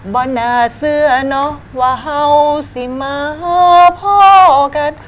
บนหน้าเสือหน้าเว้าสิม่าพ่อกัน